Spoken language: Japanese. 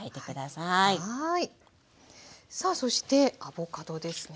さあそしてアボカドですね。